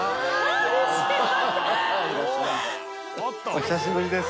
お久しぶりです。